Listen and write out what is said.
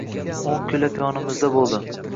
O`n kun yonimizda bo`ldi